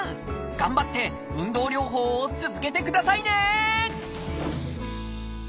頑張って運動療法を続けてくださいね！